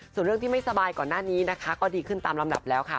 ส่วนเรื่องที่ไม่สบายก่อนหน้านี้นะคะก็ดีขึ้นตามลำดับแล้วค่ะ